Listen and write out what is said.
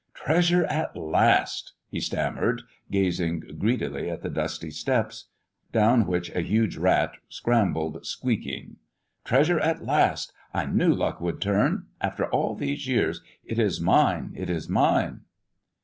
"Treasure at last!" he stammered, gazing greedily at the dusty steps, down which a huge rat scrambled, squeaking. "Treasure at last! I knew luck would turn! After all these years! It is mine, it is mine!"